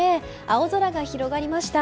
青空が広がりました。